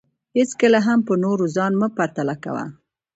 هېڅکله هم په نورو ځان مه پرتله کوه